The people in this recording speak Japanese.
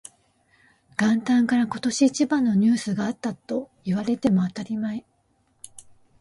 元旦から今年一番のニュースがあったと言われても当たり前